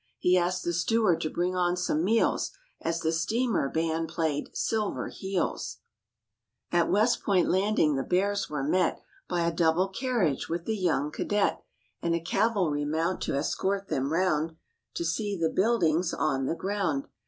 He asked the steward to bring on some meals As the steamer band played " Silver Heels THE BEARS VISIT WEST POINT mmv* Fite' At West Point landing the Bears were met ( By a double carriage with the young cadet And a cavalry mount to escort them round To see the buildings on the | ground.